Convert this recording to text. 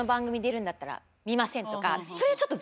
それはちょっと。